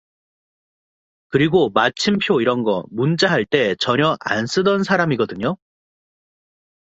그리고 마침표 이런 거 문자 할 때 전혀 안 쓰던 사람이거든요.